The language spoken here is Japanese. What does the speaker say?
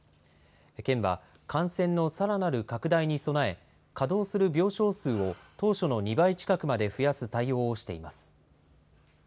県は、感染のさらなる拡大に備え、稼働する病床数を当初の２倍近くまで増やす対応をしています。